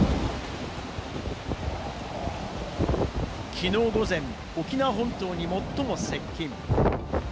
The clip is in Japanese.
きのう午前、沖縄本島に最も接近。